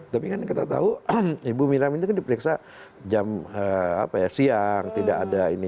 tapi kan kita tahu ibu miram itu kan diperiksa jam siang tidak ada ini